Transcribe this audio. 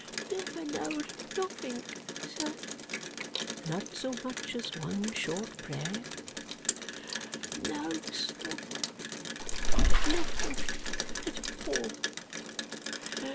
"Never knowd nothink, sir." "Not so much as one short prayer?" "No, sir. Nothink at all.